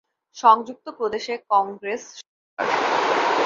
সংযুক্ত প্রদেশে কংগ্রেস সরকার।